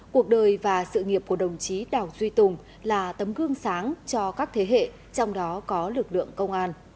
cuộc đời và sự nghiệp của đồng chí đảo duy tùng là tấm gương sáng cho các thế hệ trong đó có lực lượng công an